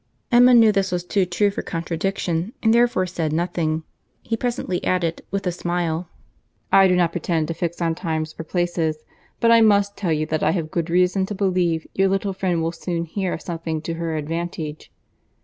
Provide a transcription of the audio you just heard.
Emma knew this was too true for contradiction, and therefore said nothing. He presently added, with a smile, "I do not pretend to fix on times or places, but I must tell you that I have good reason to believe your little friend will soon hear of something to her advantage."